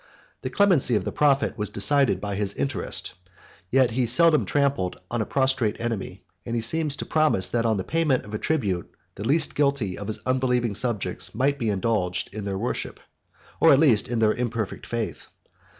The clemency of the prophet was decided by his interest: yet he seldom trampled on a prostrate enemy; and he seems to promise, that on the payment of a tribute, the least guilty of his unbelieving subjects might be indulged in their worship, or at least in their imperfect faith.